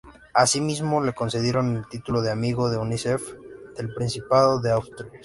Asimismo le concedieron el título de "Amigo de Unicef" del Principado de Asturias.